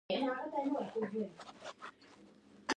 زه هم ور پورته شوم.